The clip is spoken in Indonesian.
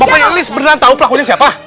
bapaknya elis beneran tau pelakunya siapa